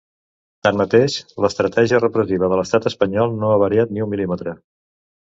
Tanmateix, l’estratègia repressiva de l’estat espanyol no ha variat ni un mil·límetre.